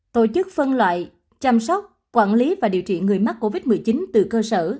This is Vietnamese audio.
tổ chức phân loại chăm sóc quản lý và điều trị người mắc covid một mươi chín từ cơ sở